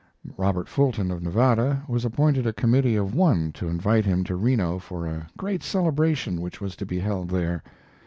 Robert Fulton, of Nevada, was appointed a committee of one to invite him to Reno for a great celebration which was to be held there.